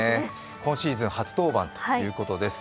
今シーズン初登板ということです。